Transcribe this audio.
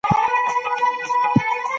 که غواړې پوه سې نو ډېر کتابونه ولوله.